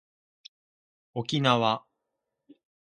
おきなわ